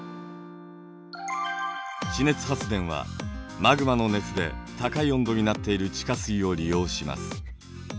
地熱発電はマグマの熱で高い温度になっている地下水を利用します。